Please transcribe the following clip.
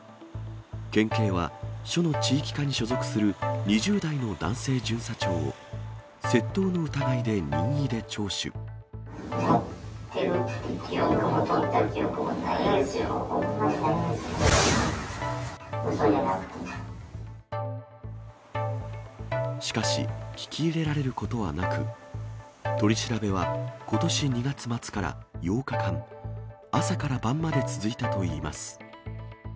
県警は、暑の地域課に所属する２０代の男性巡査長を、窃盗の疑いで任意で持っているという記憶も、とった記憶もないですよ、しかし、聞き入れられることはなく、取り調べはことし２月末から８日間、朝から晩まで続いたといいます。